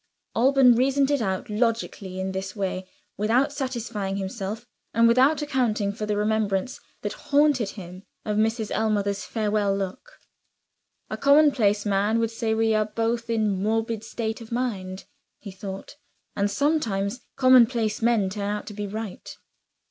Alban reasoned it out logically in this way without satisfying himself, and without accounting for the remembrance that haunted him of Mrs. Ellmother's farewell look. "A commonplace man would say we are both in a morbid state of mind," he thought; "and sometimes commonplace men turn out to be right."